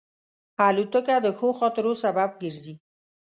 الوتکه د ښو خاطرو سبب ګرځي.